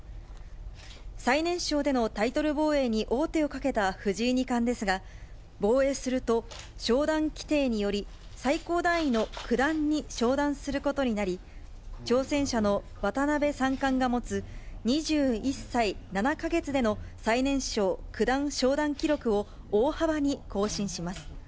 最年少でのタイトル防衛に王手をかけた藤井二冠ですが、防衛すると、昇段規定により、最高段位の九段に昇段することになり、挑戦者の渡辺三冠が持つ２１歳７か月での最年少九段昇段記録を大幅に更新します。